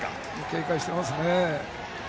警戒していますね。